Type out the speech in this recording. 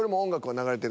流れてる？